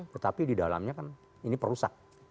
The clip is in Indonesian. tetapi di dalamnya kan ini perusak